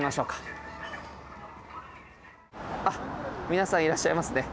皆さんいらっしゃいますね。